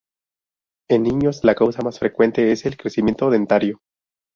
En niños la causa más frecuente es el crecimiento dentario.